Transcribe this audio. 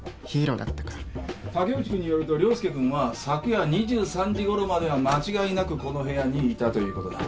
竹内君によると椋介君は昨夜２３時ごろまでは間違いなくこの部屋にいたということだ。